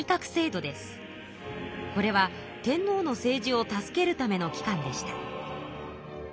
これは天皇の政治を助けるための機関でした。